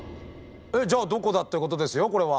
えっじゃあどこだってことですよこれは。